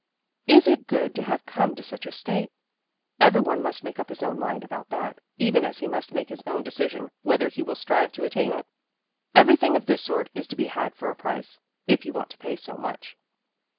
Is it good to have come to such a state? Every one must make up his own mind about that, even as he must make his own decision whether he will strive to attain it. Everything of this sort is to be had for a price, if you want to pay so much.